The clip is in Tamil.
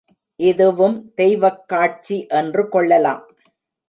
இதுவும் தெய்வக் காட்சி என்று கொள்ளலாம்.